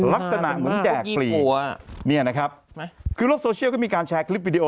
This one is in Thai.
ลักษณะเหมือนแจกปลีกเนี่ยนะครับคือโลกโซเชียลก็มีการแชร์คลิปวิดีโอ